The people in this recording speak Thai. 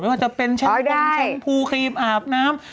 ไม่ว่าจะเป็นช้างปุงช้างพูครีมอาบน้ำ